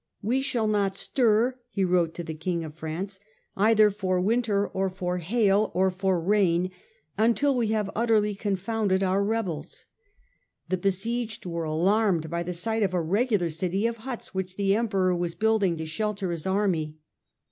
" We shall not stir," he wrote to the King of France, " either for winter or for hail or for rain, until we have utterly confounded our rebels." The besieged were alarmed by the sight of a regular city of huts which the Emperor was building to shelter his army.